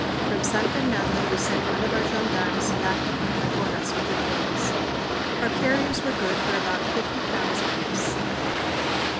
From San Fernando, we sent one of our gendarmes back to Pampaconas with the mules. Our carriers were good for about fifty pounds apiece.